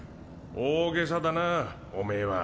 大げさだなおめぇは。